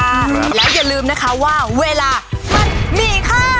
แล้วอย่าลืมนะคะว่าเวลามันมีค่า